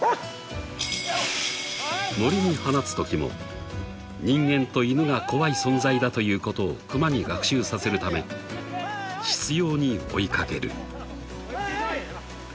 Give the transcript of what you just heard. ［森に放つときも人間とイヌが怖い存在だということをクマに学習させるために執拗に追い掛ける］